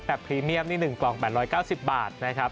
พรีเมียมนี่๑กล่อง๘๙๐บาทนะครับ